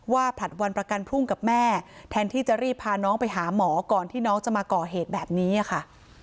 ผลัดวันประกันพรุ่งกับแม่แทนที่จะรีบพาน้องไปหาหมอก่อนที่น้องจะมาก่อเหตุแบบนี้ค่ะ